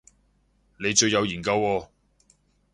你最有研究喎